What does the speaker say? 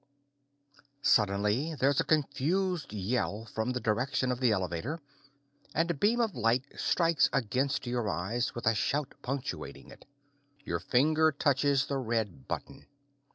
Suddenly, there's a confused yell from the direction of the elevator and a beam of light strikes against your eyes, with a shout punctuating it. Your finger touches the red button.